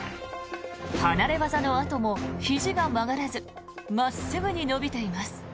離れ技のあともひじが曲がらず真っすぐに伸びています。